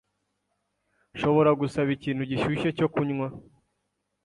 Nshobora gusaba ikintu gishyushye cyo kunywa?